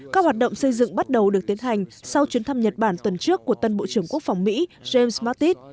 các hoạt động xây dựng bắt đầu được tiến hành sau chuyến thăm nhật bản tuần trước của tân bộ trưởng quốc phòng mỹ james mattit